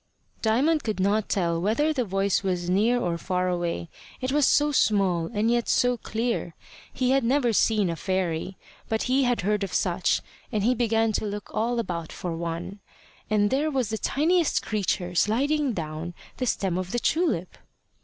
Diamond could not tell whether the voice was near or far away, it was so small and yet so clear. He had never seen a fairy, but he had heard of such, and he began to look all about for one. And there was the tiniest creature sliding down the stem of the tulip!